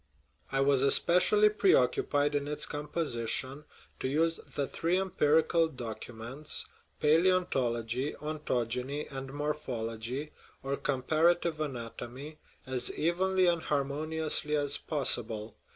I was especially pre occupied in its composition to use the three empirical " documents " palaeontology, ontogeny, and morphol ogy (or comparative anatomy) as evenly and har moniously as possible.